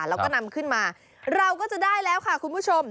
แล้วก็นำขึ้นมาเราก็จะได้แล้วค่ะคุณผู้ชม